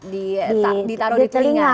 ditaruh di telinga